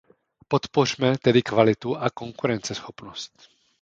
Podpořme tedy kvalitu a konkurenceschopnost.